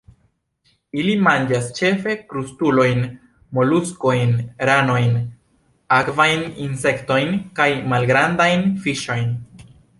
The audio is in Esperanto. Ili manĝas ĉefe krustulojn, moluskojn, ranojn, akvajn insektojn kaj malgrandajn fiŝojn.